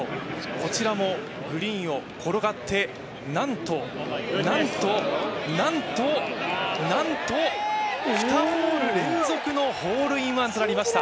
こちらもグリーンを転がってなんと、なんと、なんと、なんと２ホール連続のホールインワンとなりました。